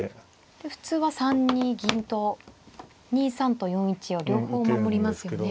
で普通は３二銀と２三と４一を両方守りますよね。